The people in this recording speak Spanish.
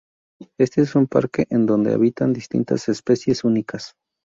Este es un parque en donde habitan distintas especies únicas.